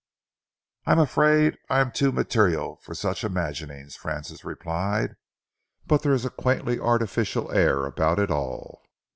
"I'm afraid I'm too material for such imaginings," Francis replied, "but there is a quaintly artificial air about it all.